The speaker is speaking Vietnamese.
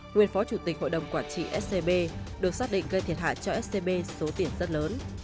nguyên phó chủ tịch hội đồng quản trị scb được xác định gây thiệt hại cho scb số tiền rất lớn